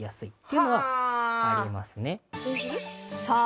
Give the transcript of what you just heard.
さあ